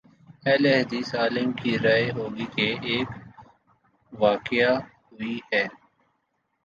اہل حدیث عالم کی رائے ہو گی کہ ایک واقع ہوئی ہے۔